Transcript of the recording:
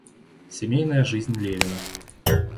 Семейная жизнь Левина.